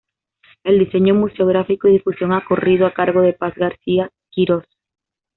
El diseño museográfico y difusión ha corrido a cargo de Paz García Quirós.